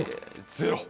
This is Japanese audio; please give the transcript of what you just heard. ゼロ。